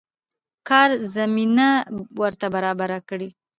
کار زمينه ورته برابره کړي.